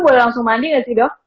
boleh langsung mandi gak sih dok